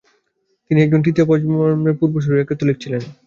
তিনি একজন তৃতীয় প্রজন্মের আমেরিকান ছিলেন, যার বাবার পূর্বসূরিরা ক্যাথলিক ছিলেন।